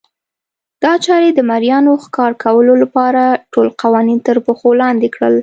دا چارې د مریانو ښکار کولو لپاره ټول قوانین ترپښو لاندې کړل.